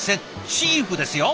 チーフですよ。